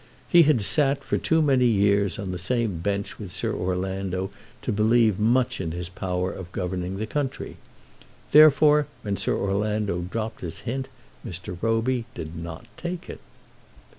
He had sat for too many years on the same bench with Sir Orlando to believe much in his power of governing the country. Therefore, when Sir Orlando dropped his hint Mr. Roby did not take it.